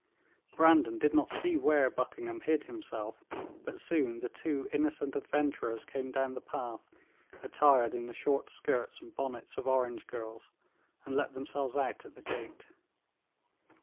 Brandon did not see where Buckingham hid himself, but soon the two innocent adventurers came down the path, attired in the short skirts and bonnets of orange girls, and let themselves out at the gate.